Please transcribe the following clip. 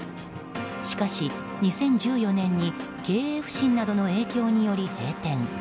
しかし、２０１４年に経営不振などの影響により閉店。